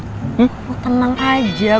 lo tenang aja